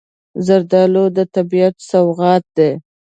زردالو د طبیعت سوغات دی.